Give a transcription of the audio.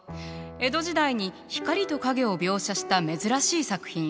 江戸時代に光と影を描写した珍しい作品よ。